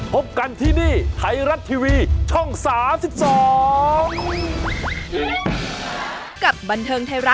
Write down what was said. พบกันที่นี่ไทยรัฐทีวีช่อง๓๒